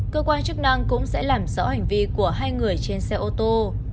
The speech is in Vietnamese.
cơ quan chức năng cũng sẽ làm rõ hành vi của hai người trên xe ô tô